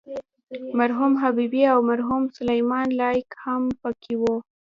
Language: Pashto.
مرحوم حبیبي او مرحوم سلیمان لایق هم په کې وو.